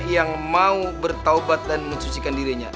yang mau bertaubat dan mensucikan dirinya